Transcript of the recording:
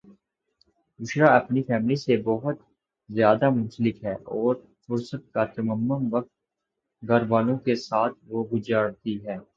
بشریٰ اپنی فیملی سے بوہت زیاد منسلک ہیں اور فرست کا تمم وقت گھر والوں کے ساتھ وہ گجراتی ہیں